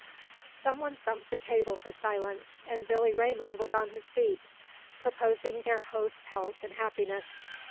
Someone thumped the table for silence, and Billy Raymond was on his feet, proposing their host's health and happiness.